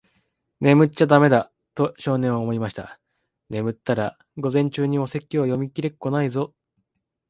「眠っちゃだめだ。」と、少年は思いました。「眠ったら、午前中にお説教は読みきれっこないぞ。」